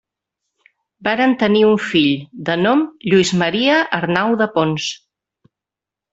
Varen tenir un fill, de nom Lluís Maria Arnau de Pons.